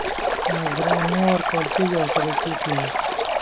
نذرانې ورکول کېږي او صدقې کېږي.